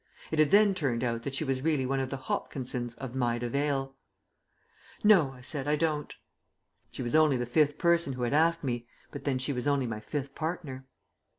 It had then turned out that she was really one of the Hopkinses of Maida Vale. "No," I said, "I don't." She was only the fifth person who had asked me, but then she was only my fifth partner.